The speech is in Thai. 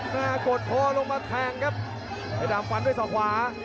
หน้ากดคอลงประทางครับเพชรดำฝันด้วยทรอดขวา